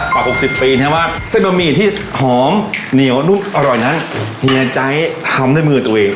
ป่าวหกสิบปีนะฮะเส้นบะหมี่ที่หอมเหนียวนุ่มอร่อยนั้นเฮียใจทำได้มือตัวเอง